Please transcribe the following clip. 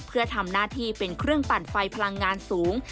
เพื่อทำหน้าที่เป็นเครื่องปั่นไฟพลังงานสูง